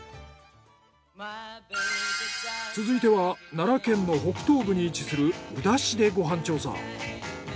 続いては奈良県の北東部に位置する宇陀市でご飯調査。